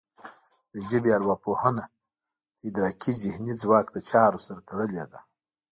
د ژبې ارواپوهنه د ادراکي ذهني ځواک له چارو سره تړلې ده